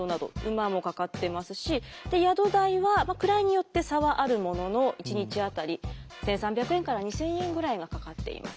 馬もかかってますし宿代は位によって差はあるものの一日当たり１，３００円から２，０００円ぐらいがかかっています。